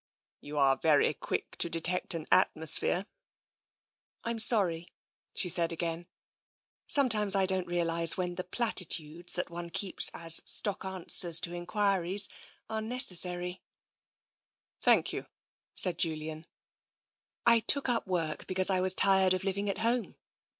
You are very quick to detect an atmosphere." I'm sorry," she said again. " Sometimes I don't realise when the platitudes that one keeps as stock answers to enquiries are unnecessary." (t TENSION 67 61 Thank you," said Julian. I took up work because I was tired of living at home.